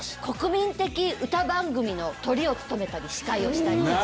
国民的歌番組のトリを務めたり司会をしたり。